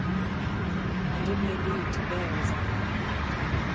And it may be to bear is all our part.